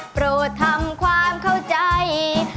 โปรดทำความเข้าใจ